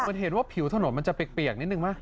มันเห็นว่าผิวถนนมันจะเปียกนิดนึงไหม